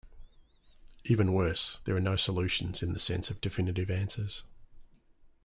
Even worse, there are no solutions in the sense of definitive answers.